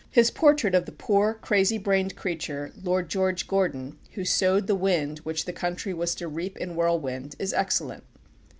His portrait of the poor, crazy brained creature, Lord George Gordon, who sowed the wind which the country was to reap in whirlwind, is excellent.